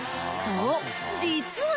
そう実は